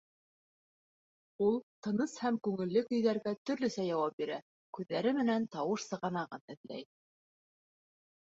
Ул тыныс һәм күңелле көйҙәргә төрлөсә яуап бирә, күҙҙәре менән тауыш сығанағын эҙләй.